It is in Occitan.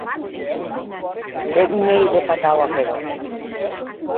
Be n’ei de fatau aquerò!